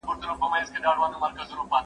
د حج دپاره مي په کڅوڼي کي نوي دعاګاني ولیدې.